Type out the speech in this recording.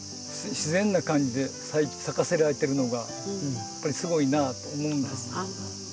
自然な感じで咲かせられてるのがやっぱりすごいなと思うんです。